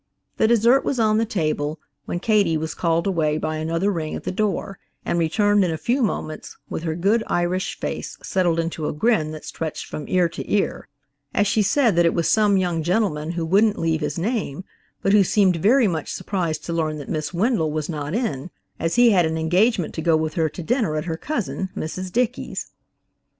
The dessert was on the table, when Katie was called away by another ring at the door, and returned in a few moments with her good Irish face settled into a grin that stretched from ear to ear, as she said that it was some young gentleman who wouldn't leave his name, but who seemed very much surprised to learn that Miss Wendell was not in, as he had an engagement to go with her to dinner at her cousin, Mrs. Dickey's.